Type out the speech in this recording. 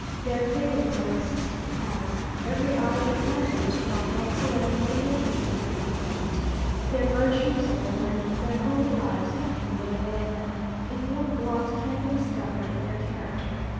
Their failings are insisted upon. Every eye is upon them to mark whatsoever may be amiss in their conduct. Their virtues, their learning, their holy lives nothing will avail them, if one blot can be discovered in their character.